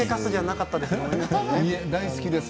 いえ、大好きです。